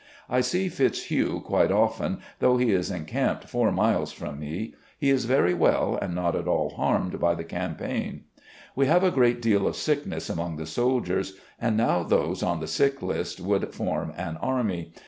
I see Fitz hugh quite often, though he is encamped four miles from me. He is very well and not at all harmed by the cam paign. " We have a great deal of sickness among the soldiers, and now those on the sick list wotild form an army.